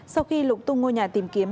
sau khi lục tung ngôi nhà tìm kiếm